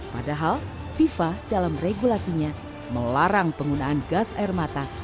padahal fifa dalam regulasinya melarang penggunaan gas air mata